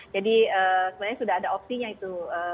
jadi sebenarnya sudah ada opsinya itu